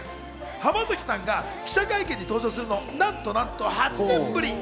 浜崎さんが記者会見に登場するのはなんとなんと８年ぶり！